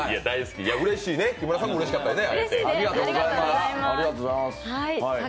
うれしいね、木村さんもうれしいね。